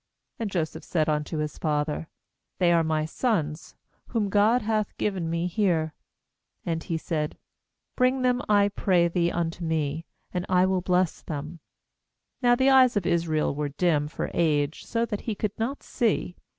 9And Joseph said unto his father: 'They are my sons, whom God hath given me here/ And he said: 'Bring them, I pray thee, unto me, and I will bless them/ 10Now the eyes of Israel were dim for age, so that he could not see.